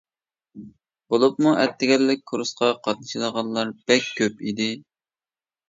بولۇپمۇ ئەتىگەنلىك كۇرسقا قاتنىشىدىغانلار بەك كۆپ ئىدى.